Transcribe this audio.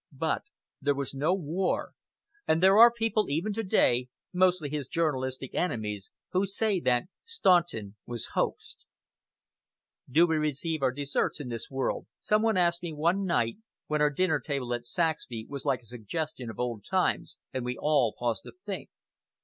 But there was no war, and there are people even to day, mostly his journalistic enemies, who say that Staunton was hoaxed. "Do we receive our deserts in this world?" some one asked one night, when our dinner table at Saxby was like a suggestion of old times and we all paused to think.